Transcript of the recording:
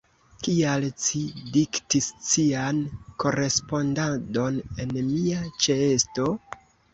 Kial ci diktis cian korespondadon en mia ĉeesto?